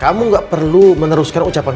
kamu nggak perlu meneruskan ucapan kamu